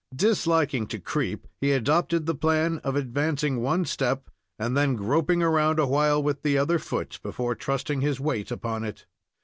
Disliking to creep, he adopted the plan of advancing one step, and then groping around awhile with the other foot, before trusting his weight upon it.